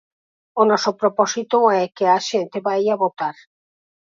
O noso propósito é que a xente vaia votar.